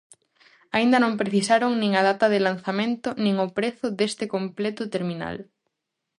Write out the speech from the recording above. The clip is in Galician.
Aínda non precisaron nin a data de lanzamento nin o prezo deste completo terminal.